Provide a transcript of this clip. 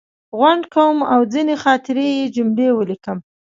غونډ، قوم او ځینې خاطرې یې جملې ولیکم.